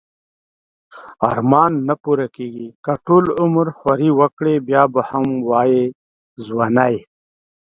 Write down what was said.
ارمان نه پوره کیږی که ټول عمر خواری وکړی بیا به هم وایی ځوانی